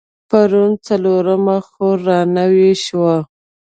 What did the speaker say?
پرون څلرمه خور رانوې شوه.